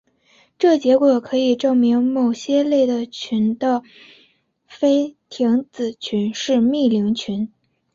这结果可以证明某些类的群的菲廷子群是幂零群。